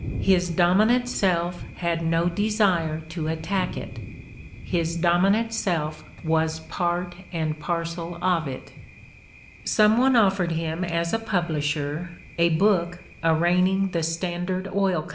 His dominant self had no desire to attack it; his dominant self was part and parcel of it. Some one offered him as a publisher a 142 The Ordeal of Mark Twain book arraigning the Standard Oil Co.